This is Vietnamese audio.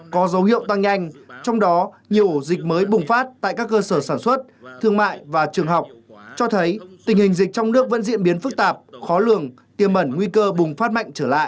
có dấu hiệu tăng nhanh trong đó nhiều ổ dịch mới bùng phát tại các cơ sở sản xuất thương mại và trường học cho thấy tình hình dịch trong nước vẫn diễn biến phức tạp khó lường tiêm ẩn nguy cơ bùng phát mạnh trở lại